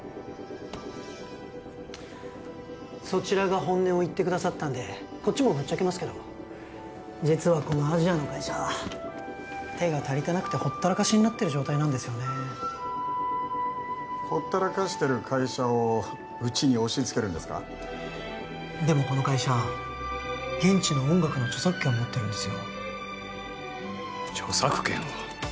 そちらが本音を言ってくださったんでこっちもぶっちゃけますけど実はこのアジアの会社手が足りてなくてほったらかしになってる状態なんですよねほったらかしてる会社をうちに押しつけるんですかでもこの会社現地の音楽の著作権を持ってるんですよ著作権を？